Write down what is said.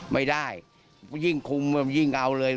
ไม่ได้ยิ่งคุมยิ่งเอาเลย